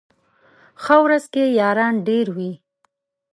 ښه ورځ کي ياران ډېر وي